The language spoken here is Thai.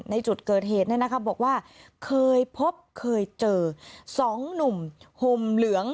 ในจุดเกิดเหตุเนี่ยนะคะบอกว่าเคยพบเคยเจอสองหนุ่มห่มเหลือง